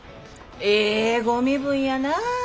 ええご身分やなぁ。